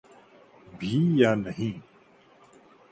بھی یا نہیں۔